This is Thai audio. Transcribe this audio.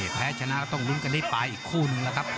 แพ้ชนะก็ต้องลุ้นกันที่ปลายอีกคู่หนึ่งนะครับ